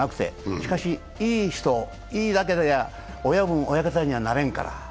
しかし、いい人、いいだけでは親分・親方にはなれんから。